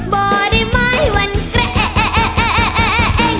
บ่อดินไม้วันแกร่ง